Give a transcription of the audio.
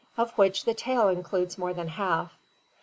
of which the tail includes more than half.